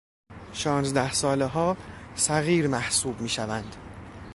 شانزده سالهها صغیر محسوب میشوند.